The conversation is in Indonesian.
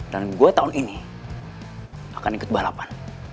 gue tahun ini akan ikut balapan